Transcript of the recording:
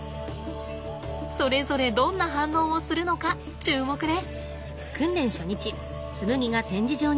それぞれどんな反応をするのか注目ね。